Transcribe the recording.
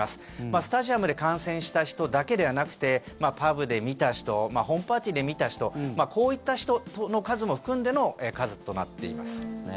スタジアムで観戦した人だけではなくてパブで見た人ホームパーティーで見た人こういった人の数も含んでの数となっています。